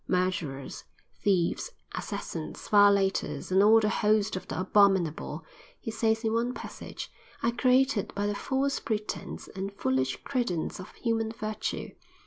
"Murderers, thieves, assassins, violators, and all the host of the abominable," he says in one passage, "are created by the false pretense and foolish credence of human virtue.